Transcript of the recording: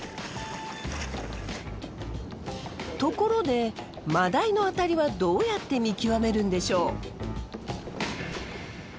ところでマダイのアタリはどうやって見極めるんでしょう？